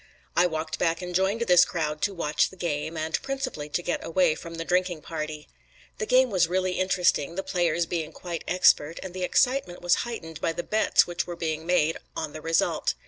I walked back and joined this crowd to watch the game, and principally to get away from the drinking party. The game was really interesting, the players being quite expert, and the excitement was heightened by the bets which were being made on the result.